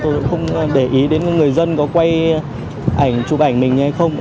tôi cũng không để ý đến người dân có quay ảnh chụp ảnh mình hay không